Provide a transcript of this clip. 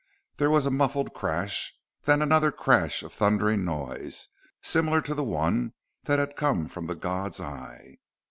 There was a muffled crash then another crash of thundering noise, similar to the one that had come from the god's eye.